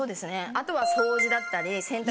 あとは掃除だったり洗濯物。